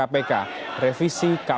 revisi kuhp dan ruu pemasyarakatan